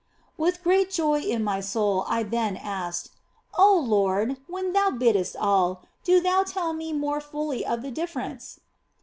" With great joy in my soul I then asked :" Oh Lord, when Thou biddest all, do Thou tell me more fully of the difference."